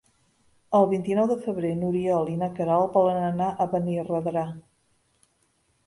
El vint-i-nou de febrer n'Oriol i na Queralt volen anar a Benirredrà.